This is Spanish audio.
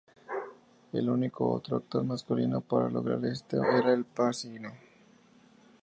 El único otro actor masculino para lograr esto era Al Pacino.